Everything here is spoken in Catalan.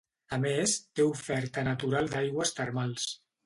A més, té oferta natural d'aigües termals.